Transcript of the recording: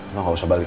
emang gak usah balik